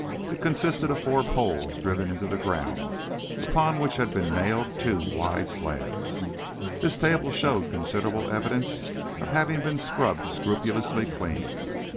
It consisted of four poles driven into the ground, upon which had been nailed two wide slabs. This table showed considerable evidence of having been scrubbed scrupulously clean.